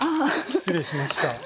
失礼しました。